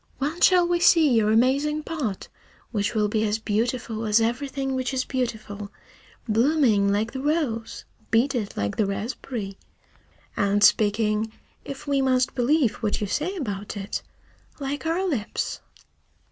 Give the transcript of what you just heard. When shall we see your amazing pot which will be as beautiful as everything which is beautiful, blooming like the rose, beaded like the raspberry, and speaking if we must believe what you say about it like our lips?"